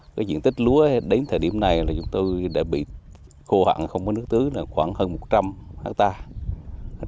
cái diện tích lúa đến thời điểm này là chúng tôi đã bị khô hạn không có nước tưới là khoảng hơn một trăm linh hectare